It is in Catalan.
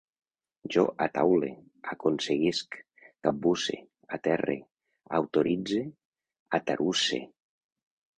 Jo ataule, aconseguisc, capbusse, aterre, autoritze, atarusse